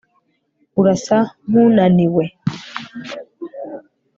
urasa nkunaniwe